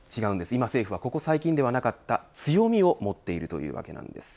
今、政府はここ最近ではなかった強みを持っているというわけです。